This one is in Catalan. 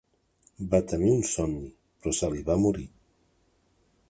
Va tenir un somni, però se li va morir.